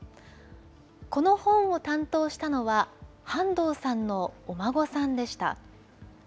この本を担当したのは、半藤さんのお孫さんでした。